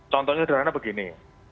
contohnya darahnya begini